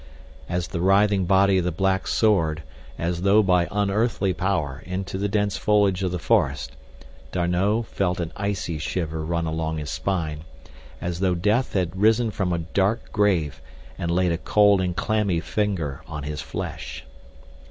As the writhing body of the black soared, as though by unearthly power, into the dense foliage of the forest, D'Arnot felt an icy shiver run along his spine, as though death had risen from a dark grave and laid a cold and clammy finger on his flesh.